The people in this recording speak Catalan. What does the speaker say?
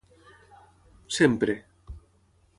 Sempre